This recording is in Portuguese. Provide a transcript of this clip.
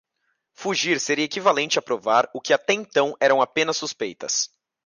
Fugir seria equivalente a provar o que até então eram apenas suspeitas.